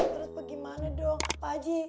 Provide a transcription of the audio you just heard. terus bagaimana dong pak haji